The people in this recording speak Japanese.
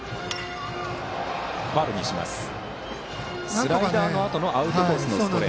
スライダーのあとのアウトコースのストレート。